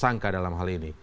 sangka dalam hal ini